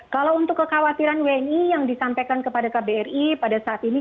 kalau untuk kekhawatiran wni yang disampaikan kepada kbri pada saat ini